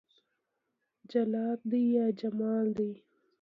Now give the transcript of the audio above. جلال دى يا جمال دى